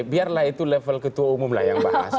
biarlah itu level ketua umum lah yang bahas